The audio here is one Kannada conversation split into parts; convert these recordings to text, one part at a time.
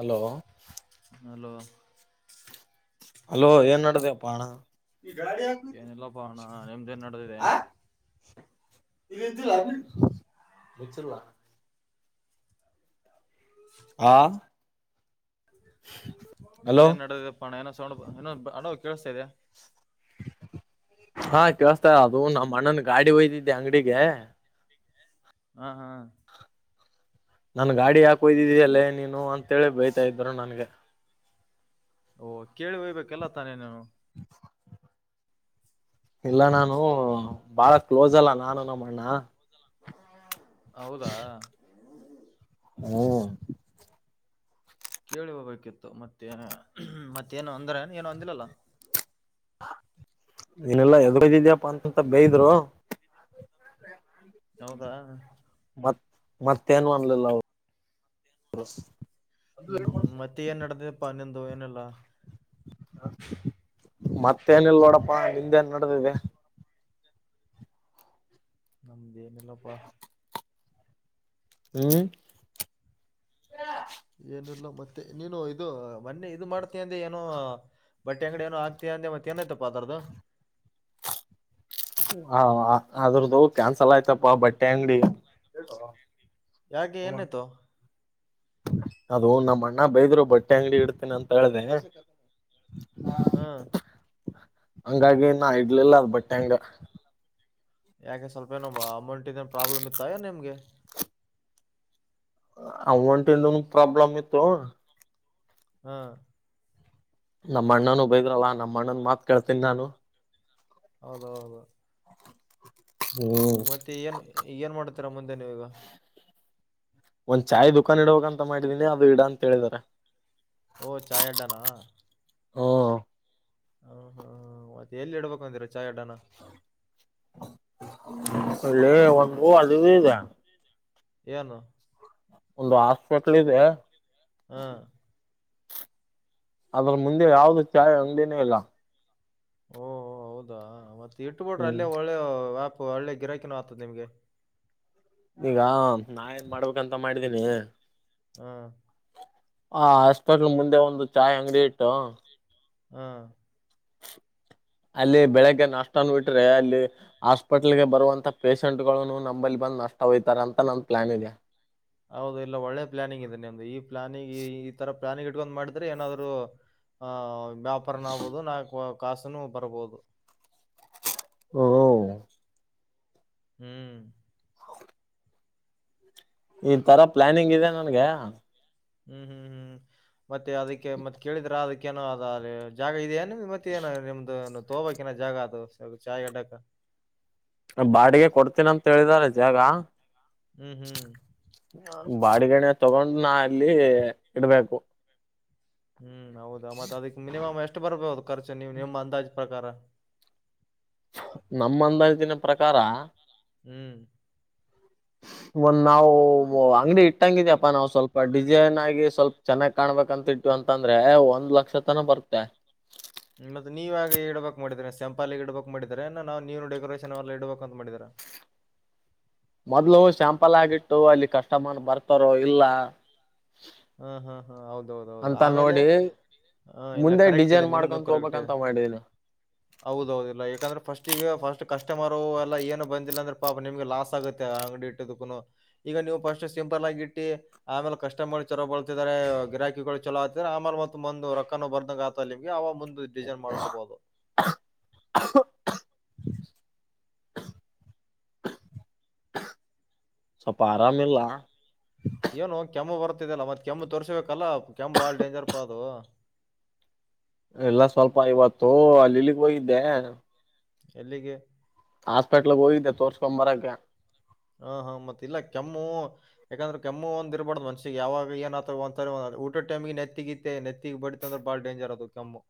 ಹಲೋ ಹಲೋ ಹಲೋ ಏನ್ ನಡ್ದೆಪ್ಪ ಅಣ್ಣ ಈ ಗಾಡಿ ಹೋಯ್ತು ಏನಿಲ್ಲಪ್ಪ ಅಣ್ಣ ನಿಮ್ದೇನ್ ನಡೆದಿದೆ ಹ ಇಲ್ಲಿ ಮುಚ್ಚಿಲ್ಲ [unintelligible] ಹಾ ಹಲೋ ನಿಮ್ದೇನ್ ನಡೆದಪ್ಪಣ ಏನೋ ಸೌಂಡ್ ಏ ಹಲೋ ಕೇಳಸ್ತಾ ಇದ್ಯಾ ಹಾ ಕೇಳಸ್ತಾ ಅದು ನಮ್ಮ ಅಣ್ಣನ್ ಗಾಡಿ ಒಯ್ದಿದ್ದೆ ಅಂಗಡಿಗೆ ಹಾ ಹಾ ನನ್ ಗಾಡಿ ಹಾಕ ಹೊಯ್ದಿದ್ದೀ ಅಲ್ಲೇ ನೀನು ಅಂತೇಳಿ ಬಯತಾ ಇದರು ನನ್ಗೆ ಓಹ ಕೇಳಿ ಹೊಯ್ಬೇಕ ಎಲ್ಲ ತಾನೇ ನೀನು ಹ [unintelligible] ಇಲ್ಲ ನಾನು ಬಾಳ ಕ್ಲೋಸ್ ಅಲ್ಲ ನಾನು ನಮ್ಮ ಅಣ್ಣ ಹೌದಾ ಹ್ಮ ಕೇಳಿ ಹೋಯಬೇಕಿತ್ತು ಮತ್ತೇ ಮತ್ತೇನು ಅಂದ್ರ ಏ ಏನು ಅಂದಿಲ್ಲಲ್ಲ ನೀನೆಲ್ಲಾ ಎಲ್ಲಿದ್ದೀಯಪ್ಪ ಅಂತಂತ ಬಯದ್ರು ಹೌದಾ ಮತ್ ಮತ್ತೇನು ಅನ್ಲಿಲ್ಲ [unintelligible] ಹ್ಮ್ ಮತ್ತೆ ಏನ್ ನದಿದೆಪ್ಪಾ ಅನ್ನೆಂದು ಏನಲ್ಲಾ ಮತ್ತೇನಿಲ್ಲ ನೋಡಪ್ಪಾ ನಿಂದೇನ್ ನಡೆದಿದೆ ನಮ್ದ ಏನಿಲ್ಲಪ್ಪ ಹ್ಮ್ ಏನಿಲ್ಲ ಮತ್ತೆ ನೀನು ಇದು ಮೊನ್ನೆ ಇದು ಮಾಡ ಆ ಅಂದ ಏನು ಬಟ್ಟೆ ಅಂಗಡಿ ಏನು ಆಗ್ತ ಅಂದೆ ಮತ್ತೆ ಏನಾಯ್ತಪ್ಪಾ ಅದ್ರುದು ಹಾ ಅದ್ರ್ದು ಕ್ಯಾನ್ಸಲ್ ಆಯ್ತಪ್ಪಾ ಬಟ್ಟೆ ಅಂಗಡಿ ಯಾಕೆ ಏನಾಯ್ತು ಅದು ನಮ್ಮ ಅಣ್ಣ ಬೈದ್ರು ಬಟ್ಟೆ ಅಂಗಡಿ ಇಡ್ತೇನ ಅಂತ ಹೇಳ್ದೆ ಹ್ಮ್ ಹಂಗಾಗಿ ನ ಇಡ್ಲಿಲ್ಲ ಅದ ಬಟ್ಟೆ ಅಂಗ ಯಾಕೆ ಸ್ವಲ್ಪ ಏನೊ ಅಮೌಂಟ್ ಇದನ್ ಪ್ರಾಬ್ಲಮ್ ಇತ್ತ ನಿಮ್ಗೆ ಅಮೊನ್ಟ್ ಇಂದು ಪ್ರಾಬ್ಲಮ್ ಇತ್ತು ಹಾ ನಮ್ಮ ಅಣ್ಣನು ಬೈದ್ರಲ್ಲಾ ನಮ್ಮಣ್ಣನ್ ಮಾತ್ ಕೇಳ್ತೀನಿ ನಾನು ಹೌದ ಹೌದು ಹ್ಮ್ ಈ ಮತ್ತೆ ಏನ್ ಏನ್ ಮಾಡ್ತಾರ ಮುಂದಿನ ಈಗ ಒಂದ್ ಚಾಯ್ ದುಖಾನ್ ಇಡ್ಬೇಕಂತ ಮಾಡಿದೀನಿ ಅದು ಇಡಾ ಅಂತ ಹೇಳಿದಿದ್ದಾರೆ ಓ ಚಾಯ ಅಡ್ಡಾನಾ ಹ್ಮ ಹ್ಮ್ ಹ್ಮ್ ಮತ್ತೆ ಎಲ್ಲಿ ಇಡ್ಬೇಕು ಅಂದಿರ ಚಾಯ್ ಅಡ್ಡಾನ ಅಲ್ಲ ಒಂದ ಹೂ ಅಲ್ಲಿದ ಇದೆ ಏನು ಒಂದು ಹಾಸ್ಪೆಟ್ಲ್ ಇದೆ ಹಾ ಅದ್ರ ಮುಂದೆ ಯಾವ್ದ ಚಾಯೆ ಅಂಗೇನೆ ಇಲ್ಲ ಓಹ ಹೌದಾ ಮತ್ತೆ ಇಟ್ಬಿಟ್ರೆ ಹ್ಮ್ ಅಲ್ಲೇ ಒಳ್ಳೆ ವ್ಯಾ ಹ ಒಳ್ಳೆ ಗಿರಾಕಿನೂ ಆಗ್ತದೆ ನಿಮ್ಗೆ ಈಗ ನಾ ಏನ್ ಮಾಡ್ಬೇಕಂತ ಮಾಡಿದ್ದೀನಿ ಹಾ ಹ ಅಸ್ಪೆಟ್ಲ್ ಮುಂದೆ ಒಂದು ಚಾಯ್ ಅಂಗಡಿ ಇಟ್ಟು ಹಾ ಹ್ಮ್ ಅಲ್ಲಿ ಬೆಳಗ್ಗೆ ನಷ್ಟನ ಬಿಟ್ರೆ ಅಲ್ಲಿ ಹಾಸ್ಪಿಟ್ಲ್ಗೆ ಬರುವಂತ ಪೇಶೆಂಟ್ ನು ನಂಬಲ್ಲಿ ಬಂದ್ ನಷ್ಟ ಹೋತಾರೆ ಅಂತ ನಂದು ಪ್ಲಾನ್ ಇದೆ ಹೌದು ಇಲ್ಲ ಒಳ್ಳೆ ಪ್ಲಾನಿಂಗ ಇದೆ ನಿಮ್ದು ಈ ಪ್ಲಾನಿಂಗ್ ಈ ತರ ಪ್ಲಾನಿ ಗಿಟ್ಕೊಂಡ್ ಮಾಡಿದ್ರೆ ಏನಾದ್ರು ಆಹ್ ವ್ಯಾಪಾರ ಆಗ್ಬಹದು ನಾ ಕಾಸನು ಬರಬಹುದು ಹ ಹ್ಮ್ ಈ ತರ ಪ್ಲಾನಿಂಗ್ ಇದೆ ನನ್ಗ ಹ್ಮ್ ಹ್ಮ್ ಹ್ಮ್ ಮತ್ತೆ ಅದಕ್ಕೆ ಮತ್ತ್ ಕೇಳಿದ್ರ ಅದಕ್ಕೇನ ಅದ ಅ ಜಾಗ ಇದೆಯಏನ್ ಮತ್ತೆ ಏನ ನಿಮ್ದು ತೋಬಕಿನ ಜಾಗ ಅದು ಚಾಯ್ ಅಡ್ಡಕ ಬಾಡಿಗೆ ಕೊಡ್ತೀನ ಅಂತ ಹೇಳಿದಿದ್ದಾರೆ ಜಾಗ ಹ್ಮ್ ಹ್ಮ್ ಬಾಡಗಣ ತಗೊಂಡು ನಾ ಅಲ್ಲಿ ಇಡ್ಬೇಕು ಹ್ಮ್ ಹೌದಾ ಮತ್ತತ್ ಅದಕ್ ಮಿನಿಮಮ್ ಎಷ್ಟು ಬರ್ಬದು ಖರ್ಚು ನೀವು ನಿಮ್ಮ ಅಂದಾಜ ಪ್ರಕಾರ ನಮ್ಮಂದತಿನ ಪ್ರಕಾರ ಹ್ಮ್ ಹ [unintelligible] ಒಂದ್ ನಾವು ಅಂಗಡಿ ಇಟ್ಟಂಗಿದ್ಯಪ್ಪಾ ನಾ ಸ್ವಲ್ಪ ಡಿಸೈನ್ ಆಗಿ ಸ್ವಲ್ಪ ಚೆನ್ನಾಗ್ ಕಾಣ್ಬೇಕಕ್ಂತಟ್ಟು ಅಂತಂದ್ರೆ ಒಂದ್ ಲಕ್ಷ ತನ ಬರ್ತ್ತೆ ಮತ್ತೆ ನೀವ ಆಗ ಇಡ್ಬೇಕಕ್ ಮಾಡಿದ್ರ ಸೆಂಪಲ್ಲ್ಲಿ ಇಡ್ಬೇಕಕ್ ಮಾಡಿದರ ನಾವ್ ನೀವನು ಡೆಕೋರೇಷನ್ ಎಲ್ಲ ಇಡಬೇಕಂತ ಮಾಡಿದರಾ ಮೊದ್ಲು ಸ್ಯಾಂಪಲ್ ಆಗಿಟ್ಟು ಅಲ್ಲಿ ಕಷ್ಟಮನ್ ಬರ್ತಾರೋ ಇಲ್ಲ ಹ್ಮ ಹಾ ಹಾ ಹೌದೌದ ಹೌದು ಅಂತ ಆಮೇಲೆ ನೋಡಿ ಆ, ಇಲ್ಲ ಮುಂದೆ ಡಿಸೈನ್ ಮಾಡ್ಕೊತ್ ಹೋಗ್ಬೇಕಂತ ಮಾಡಿದೀನ ಹೌದೌದಲ್ಲ ಯಾಕಂದ್ರೆ ಫಸ್ಟ್ ಈಗ ಫಸ್ಟ್ ಕಸ್ಟಮರ್ ಎಲ್ಲ ಏನು ಬಂದಿಲ್ಲ ಅಂದ್ರೆ ಪಾಪ ನಿಮ್ಗೆ ಲಾಸ್ ಆಗುತ್ತೆ ಅಂಗಡಿ ಇಟ್ಟಕ್ಕ ಈಗ ನೀವು ಪಸ್ಟ್ ಟೆಂಪಲ್ ಆಗಿಟ್ಟಿ ಆಮೇಲೆ ಕಷ್ಟ ಮಾಡ ಚಲ ಬಳತಿದ್ದಾರೆ ಗಿರಾಕಿಗಳು ಚಲೋ ಆತ ಆಮ ಮುಂದು ರೊಕ್ಕನು ಬಂದಾಗ ಆತ ನಿಮಗೆ ಮುಂದ ಡಿಸೈನ್ ಮಾಡ್ಕೋಬಹದು ಅ ಅ ಸ್ವಲ್ಪ ಆರಾಮ ಇಲ್ಲ ಏನು ಕೆಮ್ಮು ಬರ್ತಿದಲ್ಲಾ ಮತ್ ಕೆಮ್ಮು ತೋರ್ಸಬೇಕಲ್ಲ ಕೆಮ್ಮು ಬಾಳ್ ಡೇಂಜರ್ ಪ ಅದು ಎಲ್ಲ ಸ್ವಲ್ಪ ಇವತ್ತು ಅಲ್ಲಿ ಇಲ್ಲಿಗೆ ಹೋಗಿದ್ದೆ ಎಲ್ಲಿಗೆ ಹಾಸ್ಪೆಟ್ಲ್ಗ್ ಹೋಗಿದ್ದೆ ತೋರ್ಸ್ಕೊಬರಕ್ಕೆ ಹಾ ಹಾ ಮತ್ತ ಇಲ್ಲ ಕೆಮ್ಮು ಯಾಕಂದ್ರೆ ಕೆಮ್ಮು ಒಂದ ಇರಬಾರ್ದ್ ಮನ್ಷಿಗೆ ಯಾವಾಗ ಏನ್ ಆತ ಒಂತ ಊಟದ ಟೈಮಿಗೆ ನೆಗಿತೆ ನೆತ್ತಿಗೆ ಬಡ ಅಂದ್ರೆ ಬಾಳ ಡೇಂಜರ್ ಅದು ಕೆಮ್ಮು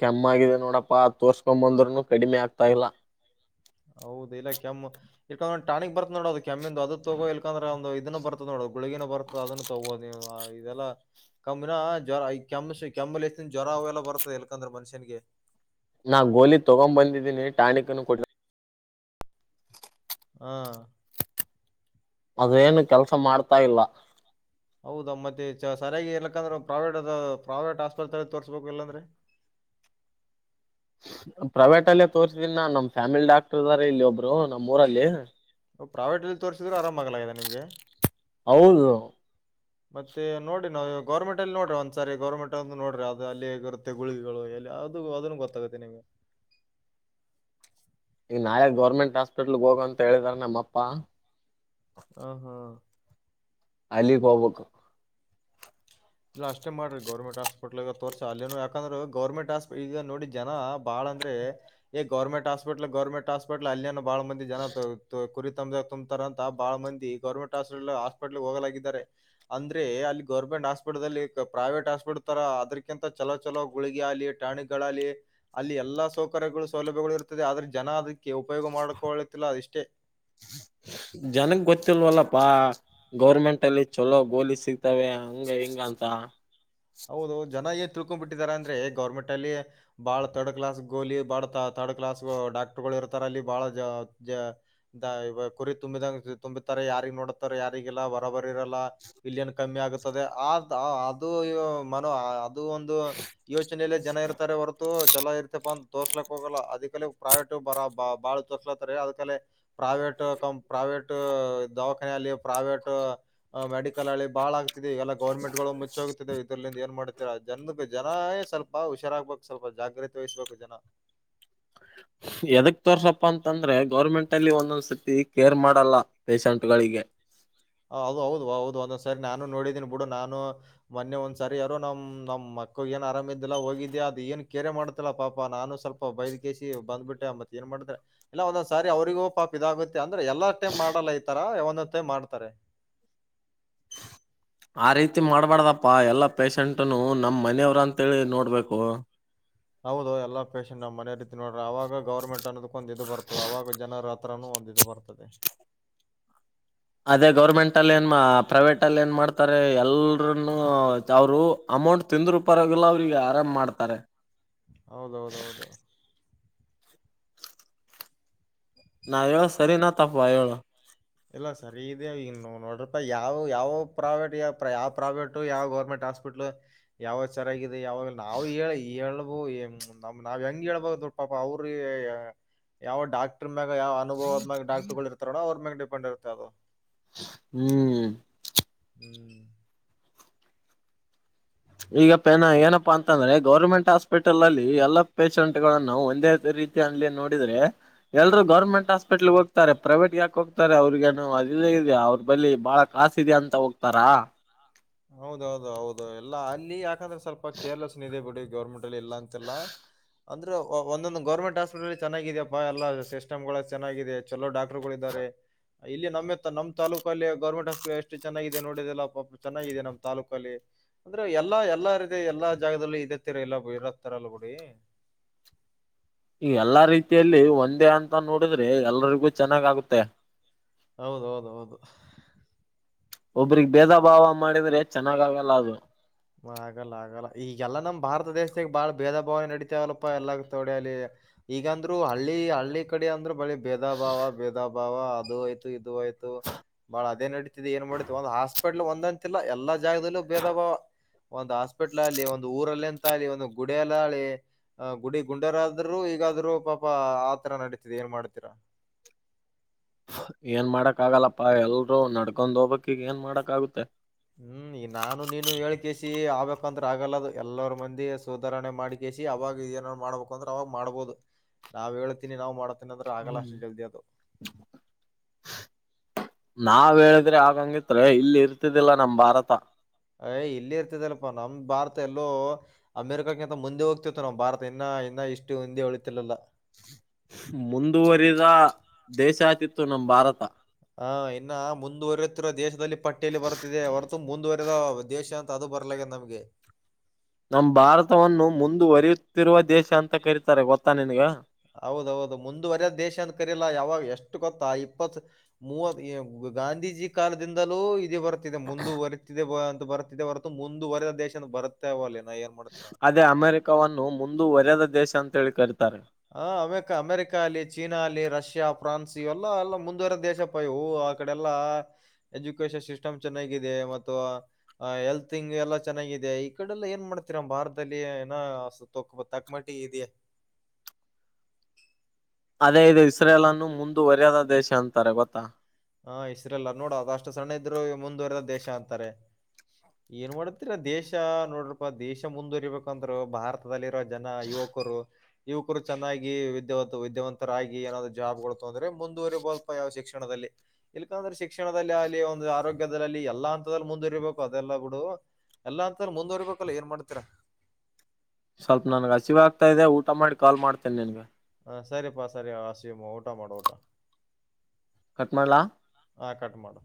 ಕೆಮ್ಮಾಗಿದೆ ನೋಡಪ್ಪಾ ತೋರ್ಕೊ ಬಂದ್ರುನು ಕಡಿಮೆ ಆಗ್ತಾ ಇಲ್ಲ ಹೌದ ಇಲ್ಲ ಕೆಮ್ಮು ಇಕೊಂಡ್ ಒ ಟಾಣಿಕ್ ಬರ್ತ್ ನೋಡ ಅದು ಕೆಮ್ಮಂದು ಅದು ತಗೋ ಇಲ್ಕಂದ್ರೆ ಒಂದು ಇದನ್ನ ಬರ್ತದ ನೋಡ ಗುಳಗಿನ ಬರ್ತದೆ ಅದನ್ನು ತಗೋದು ನೀವುದೆಲ್ಲ ಕಮ್ಮಿನ ಜ್ವರ ಈ ಕೆಮ್ಮಸ ಕೆಮ್ಮಲ್ಲಿ ಎನ್ ಜ್ವರ ಅವೆಲ್ಲ ಬರ್ತದೆ ಎಲ್ಕಂದ್ರ ಮನುಷ್ಯನ್ಗೆ ನಾ ಗೋಲಿ ತೊಗೊ ಬಂದಿದ್ದೀನಿ ಟಾಣಿಕೂ ಕೊಟ್ಟ ಹಾ ಅದೇಏನು ಕೆಲ್ಸ ಮಾಡ್ತಾ ಇಲ್ಲ ಹೌದಾ ಮತ್ತೆ ಸರಿಯಾಗಿ ಏನಕ್ಕಂದ್ರೆ ಪ್ರೈವೇಟ್ ಅದ ಪ್ರೈವೇಟ್ ಆಸ್ಪತ್ರೆ ತೋರ್ಸ್ಬೇಕು ಇಲ್ಲಾಂದ್ರೆ ಹ್ಮ್ ಪ್ರೈವೇಟ ಅಲ್ಲೇ ತೋರ್ಸಿದನ್ ನ ನಮ್ ಫ್ಯಾಮಿಲಿ ಡಾಕ್ಟರ್ರ ಇಲ್ಲಿ ಒಬ್ರು ನಮ್ಮ್ ಊರಲ್ಲಿ ವು ಪ್ರೈವಟ್ ಅಲ್ಲಿ ತೋರಿಸಿದ್ರರು ಆರಾಮ ಆಾಗಲಾಗಿದೆಮಗೆ ಹೌದು ಮತ್ತೆ ನೋಡಿರಿ ನಾವವು ಗೌರ್ಮೆಂಟ್ ಅಲ್ಲಿ ನೋಡ್ರಿ ಒಂದ್ಸರಿ ಗೌರ್ಮೆಂಟ್ ಅಂದು ನೋಡ್ರಿ ಅದು ಅಲ್ಲಿ ಹೇಗಿರುತ್ತೆ ಗುಳಿಗಳು ಅದು ಅದನ್ನು ಗೊತ್ತಾಗುತ್ತೆ ನಿಮ್ಗೆ ಹ್ಮ್ ಈಗ ನಾೆ ಗೌರ್ಮೆಂಟ್ ಹಾಸ್ಪಿಟ್ಲ್ಗ್ ಹೋಗ ಅಂತ ಹೇಳಿದಾರ ನಮ್ಮಪ್ಪಾ ಹ ಹಾ ಅಲ್ಲಿಗ್ ಹೋಗ್ಬೇಕು ಇಲ್ಲ ಅಷ್ಟೇ ಮಾಡ್ರಿ ಗರ್ಮೆಂಟ್ ಆಸ್ಪಿಟ್ಲ್ಗ ತೋರ್ಸ ಅೇನು ಯಾಕಂದ್ರೆ ಗೌರ್ಮೆಂಟ್ ಆಸ್ಟ್ ಈಗ ನೋಡಿ ಜನ ಬಾಳ ಅಂದ್ರೆ ಏ ಗೌರ್ಮೆಂಟ್ ಆಸ್ಪಿಟ್ಲ್ ಗೌರ್ಮೆಂಟ್ ಹಾಸ್ಪಿಟ್ಲ್ ಅಲ್ಲಿನ ಬಹಳ ಮಂದ ಜನ ಕುರಿತ ತುಂಬಾಬೊಂಬರ ಅಂತ ಬಹಳ ಮಂದ ಗರ್ಮಂಟ್ಸ್ ಹಾಸ್ಪಿಟ್ಲ್ಗೆ ಹೋಗಲಾಗಿದ್ದಾರೆ ಅಂದ್ರೆ ಅಲ್ಲಿ ಗೌರ್ಮೆಂಟ್ಸ್ ಹಪಲ್ಲಿ ಪ್ರೈವೇಟ್ ಹಾಸ್ಪಿಟ್ಲ್ ತರ ಅದಕಿಂತ ಚಲೋ ಚಲೋ ಗುಳಿಗೆ ಆಲಿ ಟಣಿಗಳಲ್ಲಿ ಅಲ್ಲಿ ಎಲ್ಲಾ ಸೌಕರ್ಯಗಳು ಸೌಲಭ್ಯಗಳು ಇರುತ್ತದೆ ಆದ್ರೆ ಜನ ಅದಕ್ಕೆ ಉಪಯೋಗ ಮಾಡ್ಕೊಳ್ಳುತ್ತಿಲ್ಲ ಅದ ಇಷ್ಟೇ ಹ್ಮ ಜನಗ್ ಗೊತ್ತಿಲ್ವಲ್ಲಪ್ಪಾ ಗೌರ್ಮೆಂಟ್ ಅಲ್ಲಿ ಚಲೋ ಗೋಲಿ ಸಿಗ್ತವೆ ಹಂಗ ಹಿಂಗ ಅ ಅಂತ ಹೌದು ಜನ ಎ ತಿಳ್ಕೊಂಡ್ ಬಿಿಟ್ಟಿದ್ದಾರೆ ಅಂದ್ರೆ ಗೌರ್ಮೆಂಟ್ ಅಲ್ಲಿ ಬಹಳ ರ್ಡ್ ಕ್ಲಸ್ ಗೋಲಿ ಬಹಳ ತರ್ಡ್ ಕ್ಲಸ್ ಡಾಕ್ಟರ್ಗಳು ಇರ್ತಾರೆ ಅಲ್ಲಿ ಬಹಳ ಕುರಿ ತುಂಬಿದಂ ತುಂಬಾರೆ ಯಾರಿಗೆ ನೋಡುತ್ತಾರೆ ಯಾರಿಗೆಲ್ಲ ಬರಬರಿ ಇರಲ್ಲ ಬಿಲಿಯನ್ ಕಮ್ಮಿ ಆಗುತ್ತದೆ ಅದು ಮನ ಅದು ಒಂದು ಯೋಚನಲ್ಲ ಜನ ಇರ್ತಾರೆ ಹೊರತ ಚಲೋ ಇರ್ತಪ್ಪ ಅಂದ ತೋರ್ಸಲಕ್ ಹೋಗಲ್ಲ ಅದ ಕಾಲ ಪ್ರೈವೇಟ ಬರ ಬ ಬಾಳ ತೋಸ್ಲತ್ತಾರೆ ಅದಕಲೆ ಪ್ರೈವೇಟ್ ಕಂ ಪ್ರೈವೇಟ್ ದವಾಖಾನೆಯಲ್ಲಿ ಪ್ರೈವೇಟ್ ಮೆಡಿಕಲ್ ಅಲ್ಲಿ ಬಾಳ ಆಗ್ತಿದೆ ಇವೆಲ್ಲ ಗೌರ್ಮೆಂಟ್ ಗಳು ಮುಚ್ಚೋಗ ಏನ್ ಮಾಡ್ತೀರಾ ಜನ ಜನ ಸ್ವಲ್ಪ ಹುಷಾರಾಗ್ಬೇಕು ಸ್ವಲ್ಪ ಜಾಗ್ರತೆ ವಹಿಸ್ಬೇಕು ಜನ ಹ ಎದಕ್ ತೋರ್ಸಪ್ಪಾ ಅಂತಂದ್ರೆ ಗೌರ್ಮೆಂಟ್ ಅಲ್ಲಿ ಒಂದೊಂದ್ ಸತಿ ಕೇರ್ ಮಾಡಲ್ಲ ಪೇಶಂಟ್ಗಳಿಗೆ ಗೆ ಹ ಅದ ಹೌದು ಹೌದು ಒಂದೊಂದ್ ಸರಿ ನಾನು ನೋಡಿದೀನಿ ಬಿಡು ನಾನು ಮೊನ್ನೆ ಒಂದ್ ಸರಿ ಯಾರರು ನಮ್ ನಮ್ಮ್ ಅಕ್ಕ ಏನ್ ಆರಾಮ ಇದಿದ್ದಿಲ್ಲಾ ಹೋಗಿದ್ದಿ ಅದು ಏನ್ ಕ ಕೆರೆ ಮಾಡ್ತಲ್ಲಾ ಪಾಪಾ ನಾನು ಸ್ವಲ್ಪ ಬೈದ್ ಕೇಿ ಬಂದ್ಬಿಟ್ಟೆ ಮತ್ತೆ ಮಾಡಿದ್ರೆ ಇಲ್ಲ ಒಂದೊಂದ್ ಸಾರಿ ಅವರಿಗೂ ಪಾಪ ಇದಾಗುತ್ತೆ ಅಂದ್ರೆ ಎಲ್ಲ ಟೈಮ್ ಮಾಡಲ್ಲ ಇತಾರ ಒಂದ್ ಟೈ್ ಮಾಡ್ತಾರೆ ಆ ರೀತಿ ಮಾಡಬಾರಡ್ದಪ್ಪ ಎಲ್ಲ ಪೇಶಂಟ್ನು ನಮ್ಮ ಮನೆಯವ್ರ ಅಂತೇಳಿ ನೋಡ್ಬೇಕು ಹೌದು ಎಲ್ಲಾ ಪೇಶಷಂಟ್ ನಮ್ಮ್ ಮನೆ ರೀತಿ ನೋಡ್ರ ಅವಾಗ ಗೌರ್ಮೆಂಟ್ ಅನ್ನದ್ ಒಂದ ಇದು ಬರ್ತದ ಅವಾಗ ಜನರ ಹತ್ರನೂ ಹೊಂದಿದು ಬರ್ತದೆ ಅದೇ ಗೌರ್ಮೆಂಟ್ ಅ ಏನ್ ಪ್ರೈವೇಟ್ ಅಲ್ಲಿ ಏನ್ ಮಾಡ್ತ ತಾರೆ ಎಲ್ರನ್ನು ಅವರು ಅಮೌಂಟ್ ತಿಂದರುೂಪರವಾಗಿಲ್ಲ ಅವ್ರಿಗೆ ಆರಾಮ್ ಮಾಡ್ತಾರೆ ಹೌದೌದೌದು ನಾವ ಹೇಳ ಸರಿನಾ ತಪ್ಪ ಹೇಳ ಇಲ್ಲ ಸರಿ ಇ ಇನ್ನು ನೋಡ್ರಪ್ಪ ಯಾವ ಯಾವ ಪ್ರಾವೇಟ್ ಯಾವ ಯಾವ್ ಪ್ರಾವೆಟ್ ಯಾವ ಗೌರ್ಮೆಂಟ್ ಹಾಸ್ಪಿಟ್ಲ್ ಯಾವ ಚೆಾಗಿದೆ ಯಾವಾಗ ನಾವು ಹೇಳಳ್ಬ್ ನಾವ್ ಹೆಂಗ ಹಳ್ಬ ಸ್ವಲ್ಪಪ ಅವ್ರ ಯಾವ ಡಾಕ್ಟರ್ ಮ್ಯಾಗಾವ ಅನುಭವದ ಮಾಗ ಡಾಕ್ಟ ಗಳು ಇರ್ತಾರೋ ಅವ್ರ ಮ್ಯಾಗ ಡಿಪೆಂಡ ಇರ್ತೆ ಅದು ಹ್ಮ್ ಹ್ಮ್ ಈಗಪ್ಪನ ಏನಪ್ಪಾ ಅಂತಂದ್ರೆ ಗೌರ್ಮೆಂಟ್ ಹಾಸ್ಪಿಟಲ್ ಅಲ್ಲಿ ಎಲ್ಲ ಪೇಶಷೆಂಟ್ ಗಳಗಳನ್ನು ಒಂದೇ ರೀತಿ ಅಂಗ ನೋಡಿದ್ರೆ ಎಲ್ರು ಗರ್ಟ್ ಹಾಸ್ಪಿಟ್ಲ್ಗೆ ಹೋಗ್ತಾರೆ ಪ್ರೈವೇಟ್ ಯಾಕ ಹ್ತಾರೆ ಅವ್ರಿಗಏನು ಇ ಇದ್ಯಾ ಅವ್ರ ಬಳಿ ಬಾಳ ಕಾಸ ಇದ್ಯಾ ಅಂತ ಹೋಗ್ತಾರಾ ಹೌದೌದು ಹೌದು ಎಲ್ಲಾ ಅಲ್ಲಿ ಯಾಕಂದ್ರೆ ಸ್ವಲ್ಪ ಕೇರ್ಲೆಸ್ನ್ ಇದೆ ಬಿಡಿ ಗೌರ್ಮೆಂಟ್ ಇಲ್ಲ ಅಂತೆಲ್ಲ ಅಂದ್ರೆ ಒಂದೊಂದು ಗೌರ್ಮೆಂಟ್ ಹಾಸ್ಪಿಟಲ್ ಚೆನ್ನಾಗಿದಪ್ಪಾ ಎಲ್ಲ ಸಿಸ್ಟಮ್ಗಳು ಚೆನ್ನಾಗಿದೆ ಚಲೋ ಡಾಕ್ಟ್ರುಗಳ ಇದಿದ್ದಾರೆ ಇಲ್ಲಿ ನಮ್ಮೆ ನಮ್ಮ ತಾಲೂಕ ಅಲ್ಲಿ ಗೌರ್ಮೆಂಟ್ ಹಾಸ್ಕುಗಳು ಎಷ್ಟು ಚೆನ್ನಾಗಿದೆ ನೋಡಿದೆಲ್ಲಾ ಚೆನ್ನಾಗಿದೆ ನಮ್ಮ್ ತಾಾಲೂಕ ಅಲ್ಲಿ ಅಂದ್ರೆ ಎಲ್ಲಾ ಎಲ್ಲ ಇದೆ ಎಲ್ಲಾ ಜಾಗದಲ್ಲಿ ಇದೆತ್ತರ ಎಲ್ಲ ಇರತರ ಅ ಹಗ ಈ ಎಲ್ಲಾ ರೀತಿಯಲ್ಲಿ ಒಂದೇ ಅಂತ ನೋಡಿದ್ರೆ ಎಲ್ರಿಗೂ ಚೆನ್ನಾಗ್ ಆಗುತ್ತೆ ಹೌದ ಹೌದ ಹೌದು ಒಬ್ರಗ್ ಭೇದ ಭಾವ ಮಾಡಿದ್ರೆ ಚೆನ್ನಾಗ ಆಗಲ್ಲ ಅದು ಆಗಲ್ಲ ಆಗಲ್ಲ ಈಗೆಲ್ಲ ನಮ್ ಭಾರತ ದೇಶದಾಗ ಬಾಳ ಭೇದ ಭಾವನೆ ನಡೀತೇವಲ್ಲಪ್ಪಾ ಎಲ್ಲಾ ತೋಡ ಅಲ್ಲಿ ಈಗಂದ್ರು ಹಳ್ಳಿ ಹಳ್ಳಿ ಕಡೆ ಅಂದ್ರೆ ಬಳಿ ಭೇದ ಭಾವ ಭೇದ ಭಾವ ಅದು ಆಯ್ತು ಯ್ತು ಬಾಳ ಅದೇ ನಡೀತ ಏನ್ ಮಾಡ ಒಸ್ ಹಾಪೆಟ್ ಒಂದಂತಿಲ್ಲ ಎಲ್ಲ ಜಾಗದಲ್ಲೂ ಭೇದಾವ ಒಂದ್ ಹಾಸ್ಪಿಟ್ಲ ಅಲ್ಲಿ ಒಂದು ಊರಲ್ಲಂತ ಆಿ ಒಂದು ಗುಡ ಎಲ್ಲ ಆಳಿ ಆ ಗುಡಿ ಗುಂಡರಾದ್ರು ಈಗಾದ್ರು ಪಾಪಾ ಆತರ ನಡೀತಿದೆ ಏನ್ ಮಾಡ್ತೀರ ಹ ಏನ್ ಮಾಡಕ್ ಆಗಲ್ಲಪ್ಪಾ ಎಲ್ರೂ ನಡ್ಕೊಂಡ್ ಹೋಗ್ಕ್ ಈಗ ಏನ್ ಮಾಡಾಕ್ ಆಗುತ್ತೆ ಹ್ಮ್ ಈ ನಾನು ನೀನು ಹೇಳ್ಕಸ ಆಗ್ಬೇಕಂದ್ರ ಆಗಲ್ಲದು ಎಲ್ಲರ ಮಂದಿ ಸುಧಾರಣೆ ಮಾಡ್ಕ ಅವಾಗ ನ್ ಮಾಡ್ಬೇಕು ಅಂದ್ರೆ ಅವಾಗ್ ಮಾಡ್ಬಹದು ನಾವ್ ಹೇಳ್ತಿನಿ ನಾವು ಮಾಡ ಾದ್ರೂ ಆಗಲ್ಲ ಹ್ಮ್ ಅಷ್ಟು ಜಲ್ದಿ ಅದು ನಾವ್ ಹೇಳಿದ್ರೆ ಆಗಂಗಿತ್ ಇಲ್ಲಿ ಇರ್ತಿದ್ದಿಲ್ಲ ನಮ ಭಾರತ ಯ್ ಇಲ್ಲಿ ಇರ್ತದಲ್ಪಾ ನಮ್ ಭಾರತ ಎಲ್ಲೋ ಅಮೆರಿಕಕ್ಕಿಂತ ಮುಂದೆ ಹೋಗ್ತಿತ್ತು ನಾ್ ಭಾರತ ಇನ್ನ ಇನ್ನ ಇಷ್ಟು ಹಂದೆ ಉಳತಿಲಲ್ಲ ಮುಂದುವರಿದ ದೇಶ ಆತಿತ್ತು ನಮ ಭಾರತ ಹ ಇನ್ನು ಮುಂದುವರಿತಿಿರೋ ದೇಶದಲ್ಲಿ ಪಟ್ಟಿಯಲ್ಲಿ ಬರ್ತಿದೆ ಹೊರತು ಮುಂದುವರೆದ ದೇಶ ಅಂತ ಅದು ಬರ್ಲಕ್ಕ ನಮ್ಗೆ ನಮ ಭಾರತವನ್ನು ಮುಂದುವರಿಯುತ್ತಿರುವ ದೇಶ ಅಂತ ಕರಿತಾರೆ ಗೊತ್ತಾ ನಿನ್ಗ ಹೌದೌದು ಮುಂದುವರೆ ದೇಶ ಅಂತ ಕರಿಲ್ಲ ಯಾವಾಗ ಎಷ್ಟು ಗೊತ್ತಾ ಇಪ್ಪತ್ ಮೂವತ್ ಗಾಂಧೀಜಿ ಕಾಲದಿಂದಲೂ ಇ ಬರ್ತಿದೆ ಮುಂದುವರೆತಿದೆ ಅಂತ ಬರ್ತಿದೆ ಬರುತ ಮುಂದುವರೆದ ದೇಶ ಬರುತ್ತವಲ್ಲ ಅದೇ ಅಮೆರಿಕವನ್ನು ಮುಂದುವರದ ದೇಶ ಅಂತೇಳಿ ಕರೀತಾರೆ ಹ ಅಮೆಕ ಅಮೆರಿಕ ಅಲ್ಲಿ ಚೀನಾ ಅಲ್ಲಿ ರಷ್ಯಾ ಫ್ರಾನ್ಸ್ ಇವೆಲ್ಲ ಎಲ್ಲ ಮುಂದುವರೆ ದೇಶಪ್ಪ ಇವು ಆಡೆಲ್ಲ ಎಜುಕನ್ ಸ್ಟಮ್ ಚೆನ್ನಾಗಿದೆ ಮತ್ತು ಹೆಲ್ಂಗ ಎಲ್ಲ ಚೆನ್ನ ಈ ಕಡೆಲ್ಲ ಏನ್ ಮಾಡ್ತೀರ ಭಾರದಲ್ಲಿ ಏನ ತಕ ತಕಮಟಿ ಇದಾ [unintelligible] ಅದೇ ಇದು ಇಸ್ರೇಲ್ ಅನ್ನು ಮುಂದುವರಯದ ದೇಶ ಅಂತಾರೆ ಗೊತ್ತಾ ಹಾ ಇಸ್ರಲ್ಲ ನೋಡ ಅದು ಅಷ್ಟು ಸಣ್ಣ ಇದ್ರು ಮುಂದುವರೆದ ದೇಶ ಅಂತಾರೆ ಏನ್ ಮಾಡತಿರ ದೇಶ ನೋಡ್ರಪಾ ದೇಶ ಮುಂದುವರಿಬೇಕಂದ್ರು ಭಾರತದಲ್ಲಿ ಜನ ಯುವಕರು ಯುವಕರು ಚೆನ್ನಾಗಿ ವಿದ್ಯಾವ ವಿದ್ಯಾವಂತರಾಗಿ ಏನಾದರು ಜಾಬ್ಗಳುತ ಅಂದ್ರೆ ಮುಂದುವರಿಬಲ್ಪ ಯಾವ ಶಿಕ್ಷಣದಲ್ಲಿ ಏಲ್ಲಾಂದ್ರೆ ಶಿಕ್ಷಣದಲ್ಲಿ ಆಗ್ಲಿ ಒಂದು ಆರೋಗ್ಯದಲ್ಲಿಲ್ಲಿ ಎಲ್ಲಾ ಹಂತದಲ್ಲಿ ಮುಂದಿರಿಬೇಕು ಅದೆಲ್ಲ ಬಿಡು ಎಲ್ಲಾ ಅಂತಾರೆ ಮುಂದುವರಿಬೇಕಲ್ಲ ಏನ್ ಮಾಡ್ತೀರಾ ಸ್ವಲ್ಪ ನನ್ಗ್ ಹಸಿವ ಆಗ್ತಾ ಇದೆ ಊಟ ಮಾಡಿ ಕಾಲ್ ಮಾಡ್ತೇನೆ ನಿನ್ಗ ಹಾ ಸರಿಪಾ ಸರಿ ಆಸಮ್ಮ ಊಟ ಮಾಡ ಊಟ ಕಟ್ ಮಾಡ್ಲಾ? ಹಾ ಕಟ್ ಮಾಡು